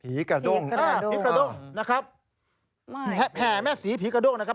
ภีร์กระด้งอ่าภีร์กระด้งนะครับแห่แม่ศรีภีร์กระด้งนะครับ